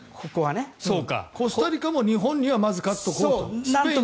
コスタリカもまず日本には勝っておこうと。